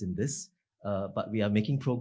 tapi kami sedang berkembang